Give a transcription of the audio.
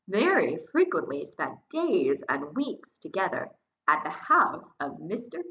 Mary frequently spent days and weeks together, at the house of Mr. Clare.